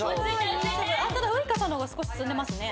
ただウイカさんの方が少し進んでますね。